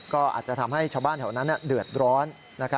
ก็อาจจะทำให้ชาวบ้านแถวนั้นเดือดร้อน